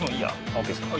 オーケーですか？